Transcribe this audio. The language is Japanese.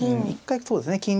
一回そうですね